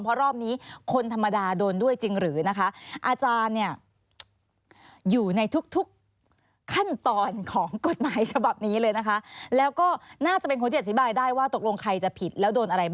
เพราะรอบนี้คนธรรมดาโดนด้วยจริงหรือนะคะ